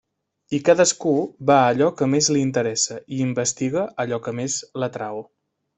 I cadascú va a allò que més li interessa i investiga allò que més l'atrau.